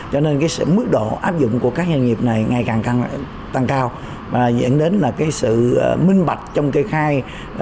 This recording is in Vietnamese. cho nên cái mức độ áp dụng của các doanh nghiệp này ngày càng tăng cao và dẫn đến là cái sự minh bạch trong kê khai